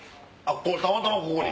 たまたまここに！